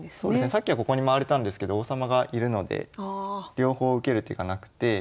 さっきはここに回れたんですけど王様がいるので両方受ける手がなくて。